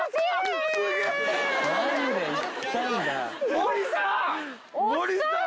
森さん！